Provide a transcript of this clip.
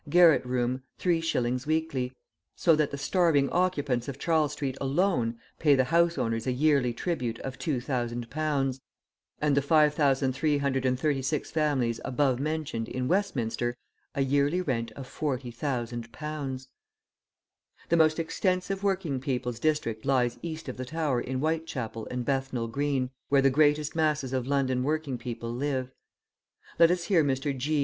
garret room, 3s. weekly, so that the starving occupants of Charles Street alone, pay the house owners a yearly tribute of 2,000 pounds, and the 5,336 families above mentioned in Westminster, a yearly rent of 40,000 pounds. The most extensive working people's district lies east of the Tower in Whitechapel and Bethnal Green, where the greatest masses of London working people live. Let us hear Mr. G.